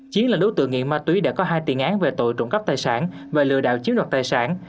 chiến là đối tượng nghiện ma túy đã có hai tiền án về tội trộm cắp tài sản và lừa đảo chiếm đoạt tài sản